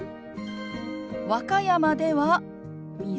和歌山では「水」。